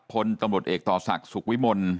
พลตำรวจเอกต่อศักดิ์สุขวิมล